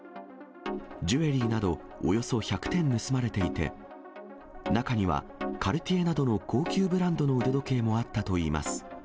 ジュエリーなどおよそ１００点盗まれていて、中にはカルティエなどの高級ブランドの腕時計もあったといいます。